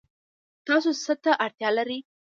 تاسو څه ته اړتیا لرئ؟